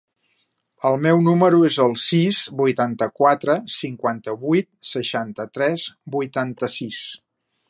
El meu número es el sis, vuitanta-quatre, cinquanta-vuit, seixanta-tres, vuitanta-sis.